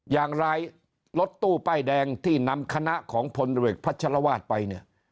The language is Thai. อย่างไรรถตู้ไป้แดงที่นำคณะของพลเวกพัชรวาสไป